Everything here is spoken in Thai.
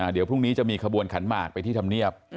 เดี๋ยวพรุ่งนี้จะมีขบวนขันหมากไปที่ธรรมเนียบ